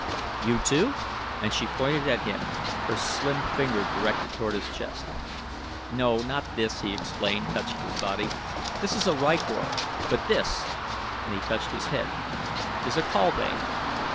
"You, too?" and she pointed at him, her slim finger directed toward his chest. "No, not this," he explained, touching his body; "this is a rykor; but this," and he touched his head, "is a kaldane.